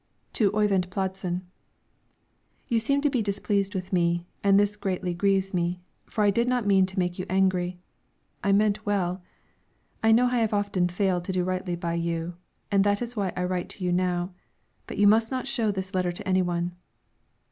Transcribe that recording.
TO OYVIND PLADSEN: You seem to be displeased with me, and this greatly grieves me. For I did not mean to make you angry. I meant well. I know I have often failed to do rightly by you, and that is why I write to you now; but you must not show the letter to any one.